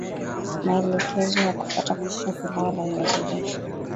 Maelekezo ya kufuata kupika pilau la viazi lishe